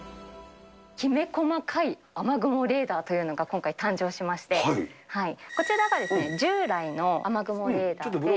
きめ細かい雨雲レーダーというのが、今回誕生しまして、こちらが従来の雨雲レーダーで。